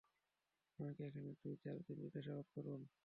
আমাকে এখানে দুই-চার দিন জিজ্ঞাসাবাদ করুন।